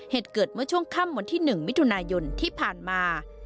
เหตุเกิดเมื่อช่วงค่ำวันที่๑มิถุนายนที่ผ่านมา